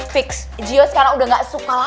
fix jio sekarang udah ga suka lagi sama lo